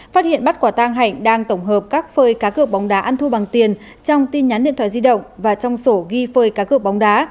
phát hiện bắt quả tang hạnh đang tổng hợp các phơi cá cược bóng đá ăn thua bằng tiền trong tin nhắn điện thoại di động và trong sổ ghi phơi cá cược bóng đá